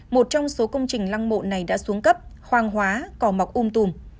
một trong số công trình lăng mộ này đã xuống cấp hoàng hóa cỏ mọc um tùm